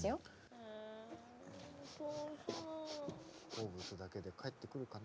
好物だけで帰ってくるかな。